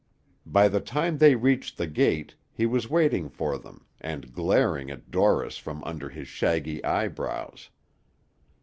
By the time they reached the gate, he was waiting for them, and glaring at Dorris from under his shaggy eyebrows.